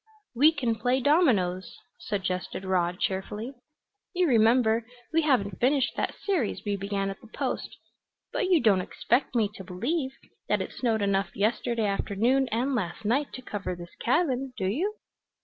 "We can play dominoes," suggested Rod cheerfully. "You remember we haven't finished that series we began at the Post. But you don't expect me to believe that it snowed enough yesterday afternoon and last night to cover this cabin, do you?"